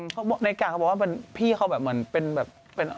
เหมือนในกากเขาบอกว่าพี่เขาเหมือนเป็นอ๋อหน่อย